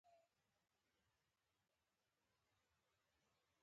بیحي په کابل او لوګر کې کیږي.